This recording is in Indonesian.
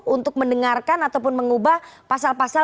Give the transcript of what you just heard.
untuk mendengarkan ataupun mengubah pasal pasal